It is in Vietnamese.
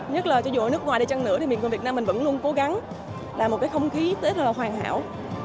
nhất là cho dù ở nước ngoài đi chăng nữa thì miền quốc việt nam mình vẫn luôn cố gắng làm một cái không khí tết hoàn hảo